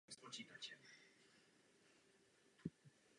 Byl aktivní v Los Angeles a to pouze jako studiová kapela.